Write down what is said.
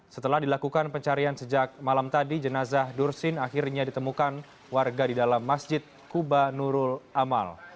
setelah dilakukan pencarian sejak malam tadi jenazah dursin akhirnya ditemukan warga di dalam masjid kuba nurul amal